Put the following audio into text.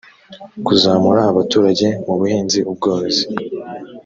kuzamura abaturage mu buhinzi ubworozi